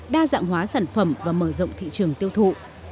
đa dạng hóa sản phẩm và mở rộng thị trường tiêu thụ